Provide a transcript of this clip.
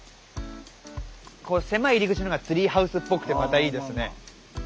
こう狭い入り口の方がツリーハウスっぽくてまたいいですね。